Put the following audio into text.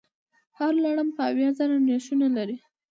هر لړم به اویا زره نېښونه لري.